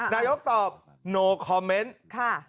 นายกตอบโนคอมเมนต์ค่ะ